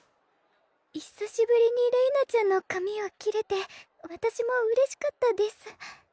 久しぶりにれいなちゃんの髪を切れて私もうれしかったです。